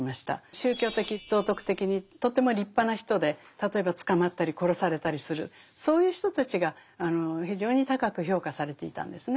宗教的道徳的にとても立派な人で例えば捕まったり殺されたりするそういう人たちが非常に高く評価されていたんですね。